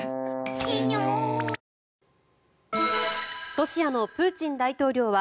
ロシアのプーチン大統領は